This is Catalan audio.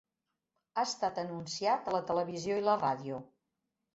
Ha estat anunciat a la televisió i la ràdio.